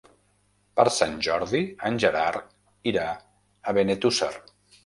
Per Sant Jordi en Gerard irà a Benetússer.